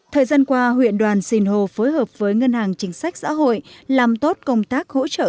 thời gian qua huyện đoàn xìn hồ phối hợp với ngân hàng chính sách xã hội làm tốt công tác hỗ trợ